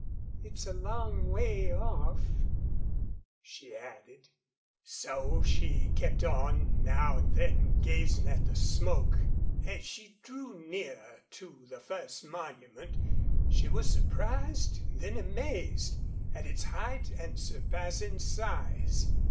"It's a long way off," she added. So she kept on, now and then gazing at the smoke. As she grew nearer to the first monument she was surprised, then amazed, at its height and surpassing size.